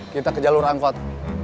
kita ke jalur angkot